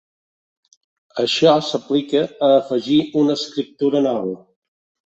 Això s'aplica a afegir una escriptura nova.